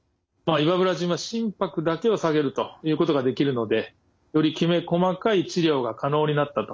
イバブラジンは心拍だけを下げるということができるのでよりきめ細かい治療が可能になったと考えています。